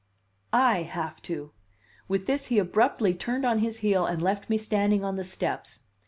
"I have to." With this he abruptly turned on his heel and left me standing on the steps.